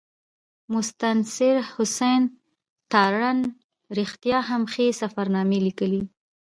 مستنصر حسین تارړ رښتیا هم ښې سفرنامې لیکلي.